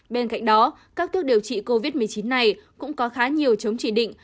bên cạnh đó các thuốc điều trị covid một mươi chín này cũng có khá nhiều chống chỉ định